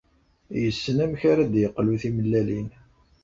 Yessen amek ara d-yeqlu timellalin.